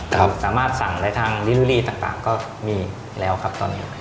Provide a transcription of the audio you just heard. สามารถสั่งได้ทางลิลูรีต่างก็มีแล้วครับตอนนี้